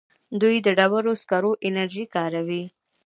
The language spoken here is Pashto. دوی د ډبرو سکرو انرژي کاروي.